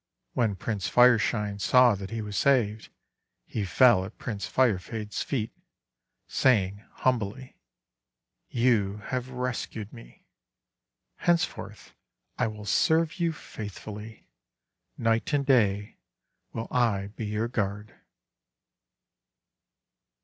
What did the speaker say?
When Prince Fireshine saw that he was saved, he fell at Prince Firef ade's feet, saying humbly :— 'You have rescued me. Henceforth I will serve you faithfully. Night and day will I be your guard."